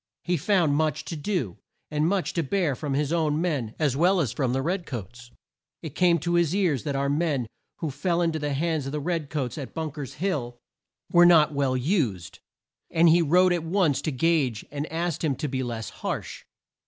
He found much to do, and much to bear from his own men as well as from the red coats. It came to his ears that our men who fell in to the hands of the red coats at Bunk er's Hill, were not well used, and he wrote at once to Gage and asked him to be less harsh.